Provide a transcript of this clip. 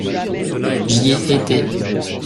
J’y ai été.